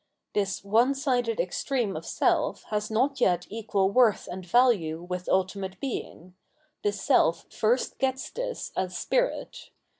This one sided extreme of self has not yet equal worth and value with ultimate Being ; the self first gets this as Spirit.